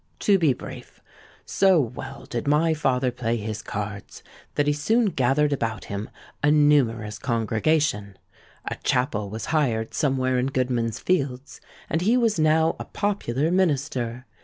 "To be brief—so well did my father play his cards, that he soon gathered about him a numerous congregation; a chapel was hired somewhere in Goodman's Fields; and he was now a popular minister.